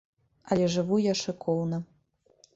Але жыву я шыкоўна.